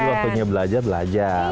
jadi waktunya belajar belajar